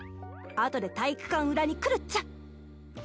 後で体育館裏に来るっちゃ。